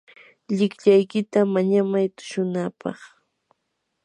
llikllaykita mañamay tushunapaq.